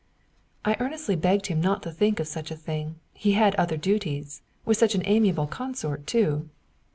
I earnestly begged him not to think of such a thing. He had other duties. With such an amiable consort too!